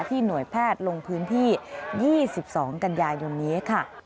หน่วยแพทย์ลงพื้นที่๒๒กันยายนนี้ค่ะ